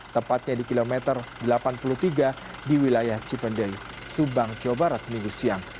tepatnya di kilometer delapan puluh tiga di wilayah cipendei subang jawa barat minggu siang